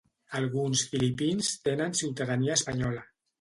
Alguns filipins tenen ciutadania espanyola.